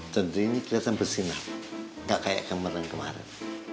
tentu ini kelihatan bersinar enggak kayak kamaran kemarin